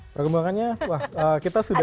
perkembangannya wah kita sudah